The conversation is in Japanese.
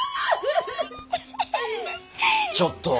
ちょっと！